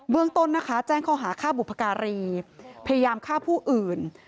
เรื่องต้นนะคะแจ้งข้อหาฆ่าบุพการีพยายามฆ่าผู้อื่น